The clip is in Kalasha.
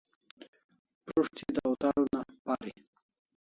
Prus't thi dawtar una pari